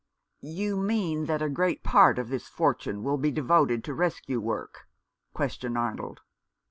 "You mean that a great part of this fortune will be devoted to rescue work?" questioned Arnold.